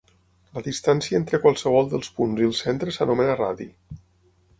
La distància entre qualsevol dels punts i el centre s'anomena radi.